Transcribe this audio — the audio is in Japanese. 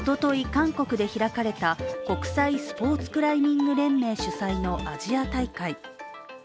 韓国で開かれた国際スポーツクライミング連盟主催のアジア大会。